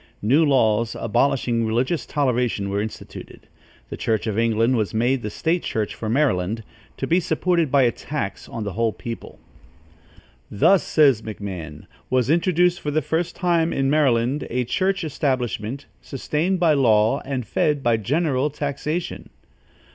New laws abolishing religious toleration were instituted. The church of England was made the state church for Maryland, to be supported by a tax on the whole people. "Thus," says McMahan, "was introduced, for the first time in Maryland, a church establishment, sustained by law and fed by general taxation."